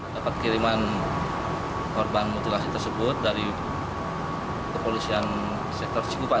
dapat kiriman korban mutilasi tersebut dari kepolisian sektor cikupa